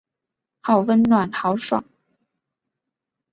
好温暖好爽